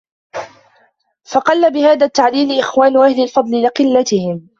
فَقَلَّ بِهَذَا التَّعْلِيلِ إخْوَانُ أَهْلِ الْفَضْلِ لِقِلَّتِهِمْ